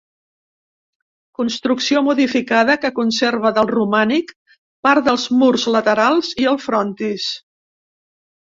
Construcció modificada que conserva del romànic part dels murs laterals i el frontis.